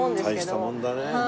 大したもんだね。